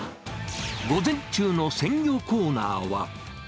午前中の鮮魚コーナーは。